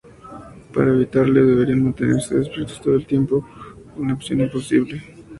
Para evitarle deberán mantenerse despiertos todo el tiempo, una opción imposible.